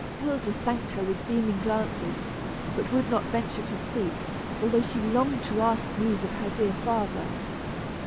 Hilda thanked her with beaming glances, but would not venture to speak, although she longed to ask news of her dear father.